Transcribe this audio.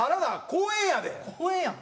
公園やん。